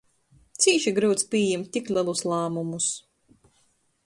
Cīši gryuts pījimt tik lelus lāmumus.